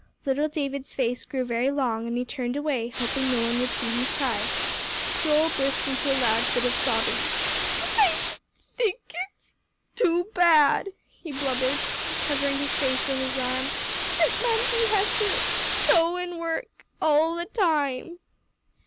Little David's face grew very long, and he turned away, hoping no one would see him cry. Joel burst into a loud fit of sobbing. "I think it's too too bad," he blubbered, covering his face with his arm, "that Mamsie has has to sew and work all the time."